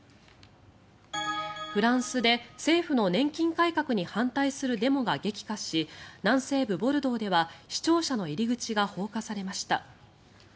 フランスで、政府の年金改革に反対するデモが激化し南西部ボルドーでは市庁舎の入り口が放火されました。